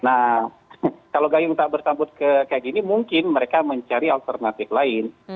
nah kalau gayung tak bersambut kayak gini mungkin mereka mencari alternatif lain